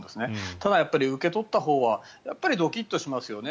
ただ、受け取ったほうはやっぱりドキッとしますよね